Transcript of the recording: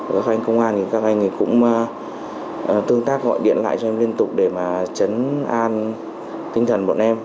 đối với anh công an thì các anh cũng tương tác gọi điện lại cho em liên tục để mà chấn an tinh thần bọn em